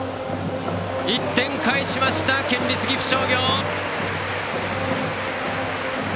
１点返しました、県立岐阜商業。